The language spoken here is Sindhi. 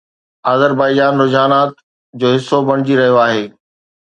آذربائيجان رجحانات جو حصو بڻجي رهيو آهي